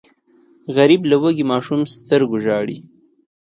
غریب له وږي ماشوم سترګو ژاړي